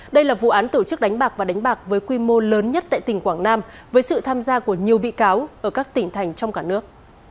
đây là vụ án tổ chức đánh bạc và đánh bạc với quy mô lớn nhất tại tỉnh quảng nam với sự tham gia của nhiều bị cáo ở các tỉnh thành trong cả nước